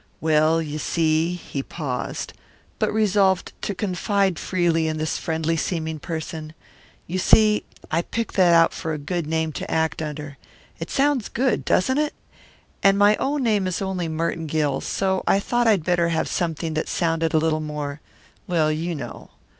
"Well, you see" he paused, but resolved to confide freely in this friendly seeming person "you see, I picked that out for a good name to act under. It sounds good, doesn't it? And my own right name is only Merton Gill, so I thought I'd better have something that sounded a little more well, you know."